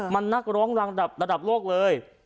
มันนักร้องรังระดับโลกเลย